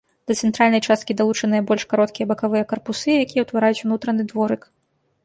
Да цэнтральнай часткі далучаныя больш кароткія бакавыя карпусы, якія ўтвараюць унутраны дворык.